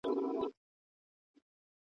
هیلې د نوو درملو سره لوړې شوې دي.